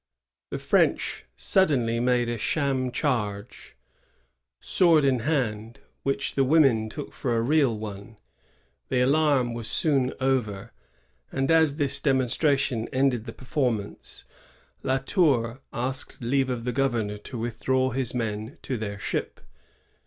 The Frenchmen suddenly made a sham charge, sword in hand, which the women took for a real one. The alarm was soon over; and as this demonstration 1643.] LA TOUR'S REQUEST. 27 ended the performance, La Tour asked leave of the governor to withdraw his men to their ship.